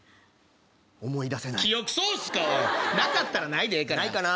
思い出せない記憶喪失かおいなかったらないでええからないかな